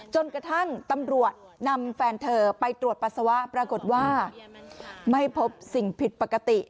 จนกระทั่งตำรวจนำแฟนเธอไปตรวจปัสสาวะปรากฏว่าไม่พบสิ่งผิดปกติ